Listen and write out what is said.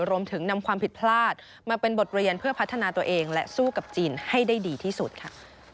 รวมถึงนำความผิดพลาดมาเป็นบทเรียนเพื่อพัฒนาตัวเองและสู้กับจีนให้ได้ดีที่สุดค่ะ